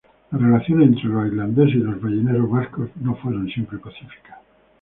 Las relaciones entre los islandeses y los balleneros vascos no fueron siempre pacíficas.